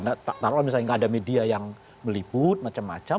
kalau misalnya tidak ada media yang meliput macam macam